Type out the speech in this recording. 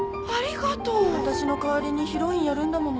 わたしの代わりにヒロインやるんだもの。